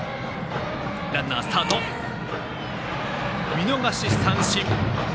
見逃し三振。